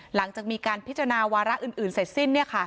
หลังจากมีการพิจารณาวาระอื่นเสร็จสิ้น